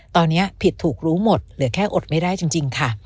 ตอนนี้ผิดถูกรู้หมดเหลือแค่อดไม่ได้จริงค่ะ